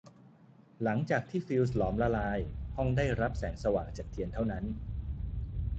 หลังจากที่ฟิวส์หลอมละลายห้องได้รับแสงสว่างจากเทียนเท่านั้น